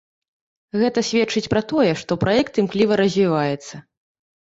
Гэта сведчыць пра тое, што праект імкліва развіваецца.